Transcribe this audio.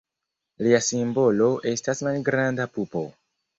Lia simbolo estas malgranda pupo.